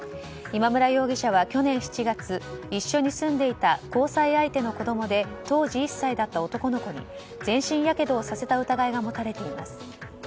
今村容疑者は去年７月一緒に住んでいた交際相手の子供で当時１歳だった男の子に全身やけどをさせた疑いが持たれています。